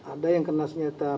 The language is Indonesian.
ada yang kena senyata